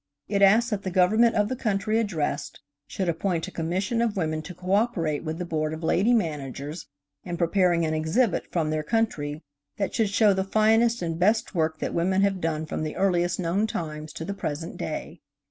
It asked that the government of the country addressed should appoint a commission of women to cooperate with the Board of Lady Managers in preparing an exhibit from their country that should show the finest and best work that women have done from the earliest known times to the present day.